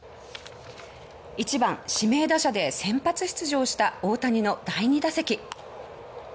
１番・指名打者で先発出場した大谷の第２打席。